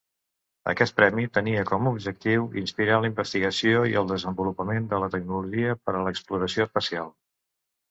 Aquest premi tenia com a objectiu inspirar la investigació i el desenvolupament de la tecnologia per a l'exploració espacial.